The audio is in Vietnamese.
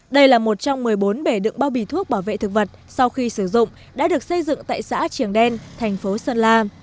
đây là một trong một mươi bốn bể đựng bao bì thuốc bảo vệ thực vật sau khi sử dụng đã được xây dựng tại xã triềng đen thành phố sơn la